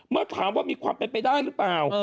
เมื่อถามว่ามีความเป็นไปได้หรือเปล่า